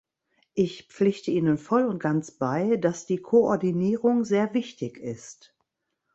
Ich pflichte Ihnen voll und ganz bei, dass die Koordinierung sehr wichtig ist.